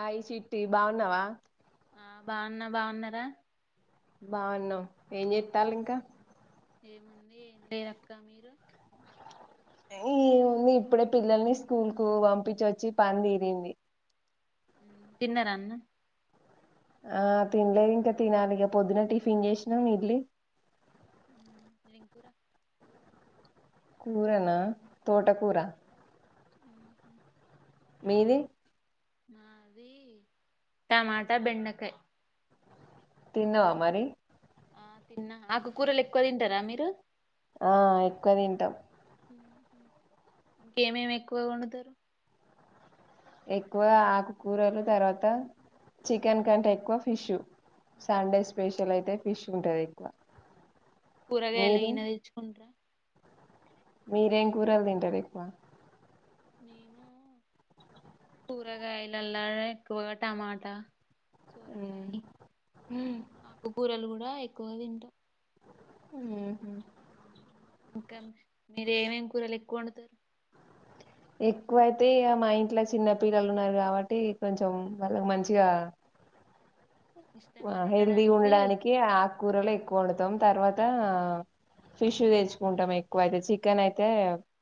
అయ్ చిట్టి బాగున్నావా ఆ బాగున్నా బాగున్నారా బాగున్నాం ఏం చెస్థాలిక ఏముంది ఏ లేదక్క మీరు ఈ ఉంది ఇప్పుడే పిల్లల్ని స్కూల్ కు పంపించి వచ్చి ఇప్పుడే పని తీరింది తిన్నారా అన్నం ఆ తినల్లె ఇంకా తినాలి ఇగ పొద్దునే టిఫిన్ చేసినమ ఇడ్లీ ఎం కూర కూరనా తోట కూర [inaudible] మీది నాది టమాటా బెండకాయ తిన్నవా మరి ఆ తిన్నా ఆకుకూరలు ఎక్కువ తింటరా మీరు ఆ ఎక్కువ తింటాం ఇంకేమేమి ఎక్కువగా వండుతారు ఎక్కువ ఆకుకూరలు తర్వాత చికెన్ కంటే ఎక్కువ ఫిష్ సండే స్పెషల్ అయితే ఫిష్ ఉంటది ఎక్కువ కూరగాయలు మీరు ఇడనే తెచ్చుకుంటార మీరేం కూరలు తింటరు ఎక్కువ మేము కూరగాయలలా ఎక్కువగా టమాటా ఉమ్ సోరకాయ ఆకు కూరలు అ ఎక్కువ తింటాం ఉహు ఇంకా మీర ఏమెమి కూరలు ఎక్కువ వండుతారు ఎక్కువయితే ఇగా మా ఇంట్లో చిన్న పిల్లలు ఉన్నారు కాబట్టి కొంచెం వాళ్ళకి మంచిగా ఆ ఇష్టంగా హెల్ దిగా తినడానికి ఉండడానికి ఆకూరలు ఎ కొండుతాం తర్వాత అ ఫిష్ తెచ్చుకుంటాం ఎక్కువయితే చికెన్ అయితే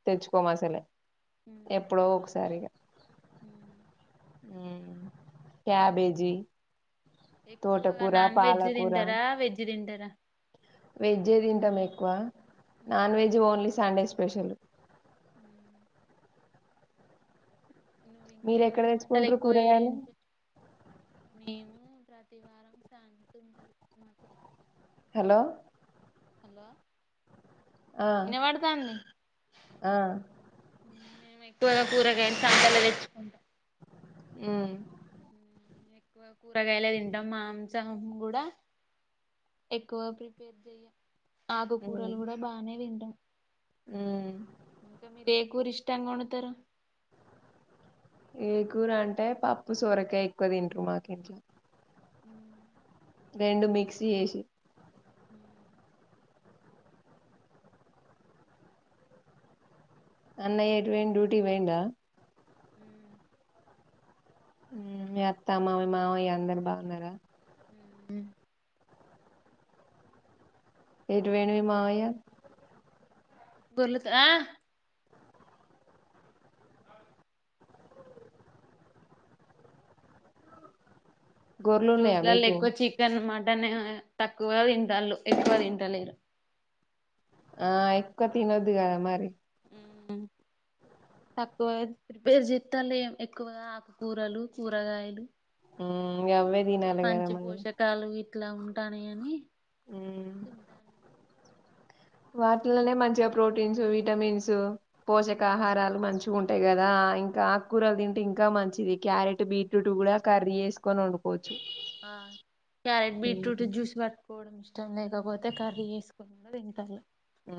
తెచ్చుకోం అసలే ఎప్పుడో ఒకసారిఇగా ఉమ్ క్యాబేజీ ఎక్కువగా తోటకూర నాన్ వెజ్ తింటారా వెజ్ తింటారా వెజే తింటాం ఎక్కువ non veg only Sunday special ఉమ్ మీరు ఎక్కడ ఇంకేమేమి వంటలు తెచ్చుకుంటరు ఎక్కువ కూరగాయలు చేయించు? మేము ప్రతి వారం సంతఉంటది మాకు హలో హలో ఆ ఇన్న వాడతందా ఆ ఎక్కువగా కూరగాయ సాంతలు తెచ్చుకుంటాం ఆ [inaudible] కూరగాయలే తింటామా ఎగజామ్ కూడా ఎక్కువ ప్రిపేర్ చెయ్య ఉమ్ ఆగకూరలు కూడా బానే తింటాం ఉమ్ ఇకా మీకేగురి ఇష్ట ఇట్టంగా వండుతరా ఏకూర అంటే పప్పు సొరకాయ ఎక్కువ తింటారు మాకు ఇంట్లో ఉ రెండు మిక్స్ చేసి హ అన్నయ్య ఎటు వొయిండు డ్యూటీ వేంట హ మీ అత్త మీ మావయ అందరు బాగున్నారా ఏదివేణు ఈ మావయ బర్లుత గొర్లు ఈ ఉన్నాయా రోజులలో మీకు ఎక్కువ చికెన్ అనమాట వెంటనే తక్కువ తింటాల్లు ఎక్కువ తింటలేరు ఆ ఎక్కువ తినొద్ కదా మరి తక్కువపేరు చిత్తాలు ఎక్కువగా ఆకుకూరలు కూరగాయలు ఉమ్ అవే ఇకతే తినాలి కదా మంచి మరి పోషకాలు ఇట్లా ఉంట ట్టని అని ఉమ్ ఇంద వాటిలోనే మంచిగా ప్రోటీన్స్ విటమిన్సు పోషక ఆహారాలు మంచి చ్చు ఉంటాయి కదా ఇంకా ఆకుకరలు తింటే ఇంకా మంచిది క్యారెట్ బీట్రూట్ కూడా కర్రీ వేసుకొని వండుకోవచ్చు ఆ క్యారెట్ బీట్రూట్ జ్యూస్ పెట్టుకోవడం ఇం లేకపోతే కర్రీ వేసుకుంటా తింటాలి ఆ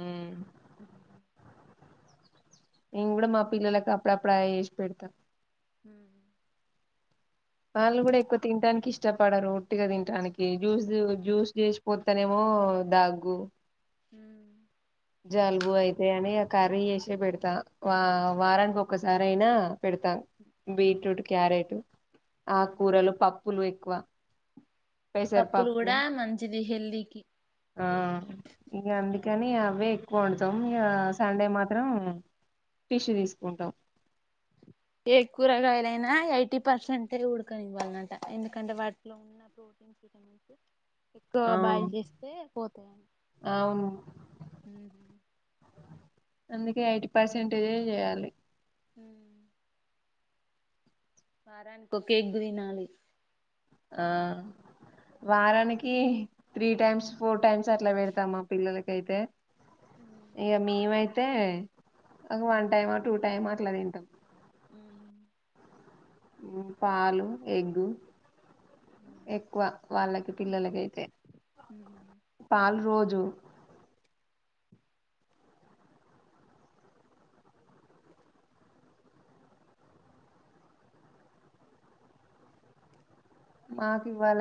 నెన్ కూడా మా పిల్లలలకు అప్పుడప్పుడు అవె వేసి పెడతా హ వాళ్ళు కూడా ఎక్కువ తినడానికి ఇష్టం ఇష్టపడరు ఒట్టిగా తినటానికి కి జూస్ అవును జూస్స్ చెసి పొ తనేమో దగు హ జలుబు అయితే అని ఆ కర్రీ చేసే పెడతా వారానికి ఒసారి అయినా పెడతా బీట్రూట్ క్యారెట్ ఆకు కూరలు పప్పులు ఎక్కువ పప్పులు పెసరపప్పు కూడా మంచిది హెల్దీకి ఆ ఇక అందుకని అవ్వే ఎక్కువ వండుత [unintelligible] సండే మాత్రం పిష్ తీసుకుంటాం ఏ కూరగాయలైనా ఎయిటీ పర్సెంటే ఉడకనివ్వాలన్నట ఎందుకంటే వాటిలో ఉన్న ప్రోటీన్స్ విటమిన్స్ ఎక్కువ ఆ బాయిల్ చేస్తే పోతాయంట. అవును మ్.. హుమ్ అందుకే ఎయిటీ పర్సెంటేజే చేయాలి మ్ వారానికి ఒక ఎగ్ తినాలి ఆ వారానికి త్రీ టైమ్స్ ఫోర్ టైమ్స్ అట్లా పెడతా మా పిల్లలకైతే ఏ మీవయితే తే ఒక వన్ టైమ టూ టైమ అట్లా తింటాం మ్ పాలు ఎగ్గు ఉ ఎక్కువ వాళ్ళకి పిల్లలకైతే ఉ పాలు రోజు మాకూ ఇవ్వాలె